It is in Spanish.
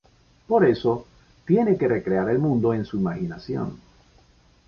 Por eso, tiene que recrear el mundo en su imaginación.